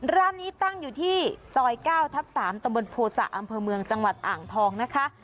ร้านนี้ตั้งอยู่ที่ซอย๙ทับ๓ตะบนโภษะอำเภอเมืองจังหวัดอ่างทองนะคะ